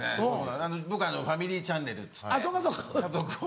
僕ファミリーチャンネルっつって家族を。